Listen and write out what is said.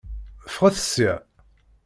Ffɣet sya.